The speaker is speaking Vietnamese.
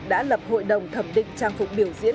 đã lập hội đồng thẩm định trang phục biểu diễn